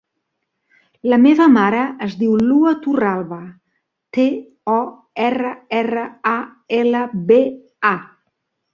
La meva mare es diu Lua Torralba: te, o, erra, erra, a, ela, be, a.